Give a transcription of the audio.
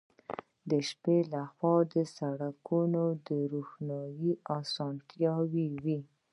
د شپې له خوا د سړکونو د روښنايي اسانتیاوې وې